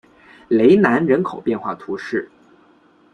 雷南人口变化图示